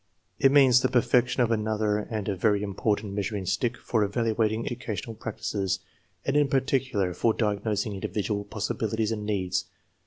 It means the perfection of another and a very important measuring stick for evaluating educational prac tices, and in particular for diagnosing individual possibilities and needs.